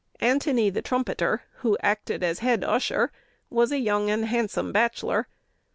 Antony, the Trumpeter, who acted as head usher, was a young and handsome bachelor.